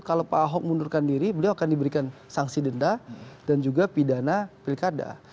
kalau pak ahok mundurkan diri beliau akan diberikan sanksi denda dan juga pidana pilkada